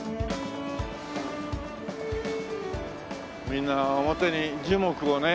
みんな表に樹木をね